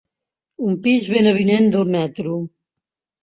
Un pis ben avinent del metro.